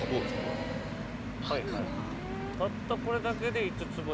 たったこれだけで五つ星。